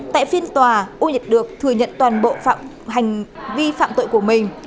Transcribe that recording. tại phiên tòa uông nhật được thừa nhận toàn bộ hành vi phạm tội của mình